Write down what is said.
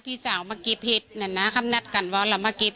ปกติพี่สาวเราเนี่ยครับเป็นคนเชี่ยวชาญในเส้นทางป่าทางนี้อยู่แล้วหรือเปล่าครับ